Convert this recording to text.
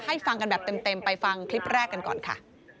ฟังกันแบบเต็มไปฟังคลิปแรกกันก่อนค่ะ